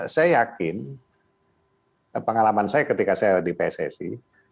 saya yakin pengalaman saya ketika saya di pssi